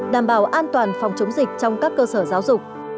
đảm bảo an toàn phòng chống dịch trong các cơ sở giáo dục